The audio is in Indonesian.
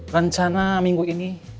rencana minggu ini